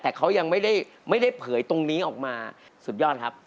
แต่เขายังไม่ได้เผยตรงนี้ออกมาสุดยอดครับ